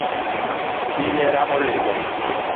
Chi nera olima